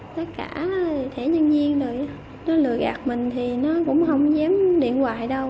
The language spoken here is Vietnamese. chị ngân không dám điện thoại đâu